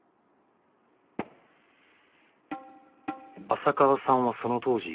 浅川さんはその当時。